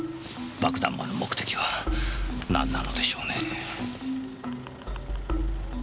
爆弾魔の目的は何なのでしょうねぇ。